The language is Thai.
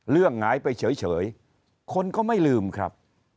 เรื่องหายไปเฉยคนก็ไม่ลืมครับ